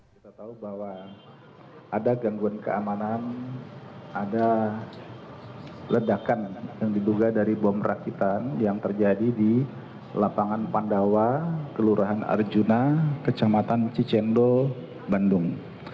kita tahu bahwa ada gangguan keamanan ada ledakan yang diduga dari bom rakitan yang terjadi di lapangan pandawa kelurahan arjuna kecamatan cicendo bandung